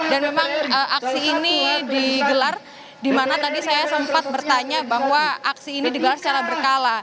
dan memang aksi ini digelar dimana tadi saya sempat bertanya bahwa aksi ini digelar secara berkala